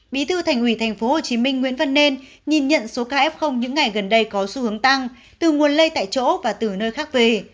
bí thư thành ủy tp hcm nguyễn văn nên nhìn nhận số caf những ngày gần đây có xu hướng tăng từ nguồn lây tại chỗ và từ nơi khác về